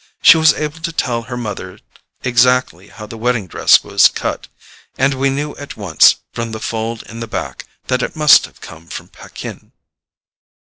She was able to tell her mother exactly how the wedding dress was cut, and we knew at once, from the fold in the back, that it must have come from Paquin."